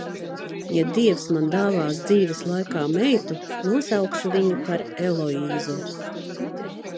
Ja Dievs man dāvās dzīves laikā meitu, nosaukšu viņu par Eloīzu.